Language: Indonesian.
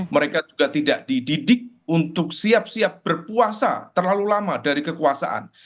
mereka juga tidak dididik untuk siap siap berpuasa terlalu lama dari kekuasaan